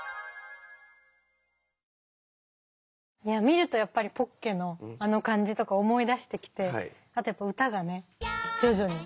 見るとやっぱりポッケのあの感じとか思い出してきてあとやっぱ歌がね徐々に。